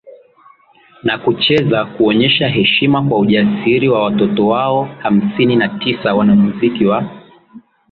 na kucheza kuonyesha heshima kwa ujasiri wa watoto wao hamsini na tisa Wanamuziki wa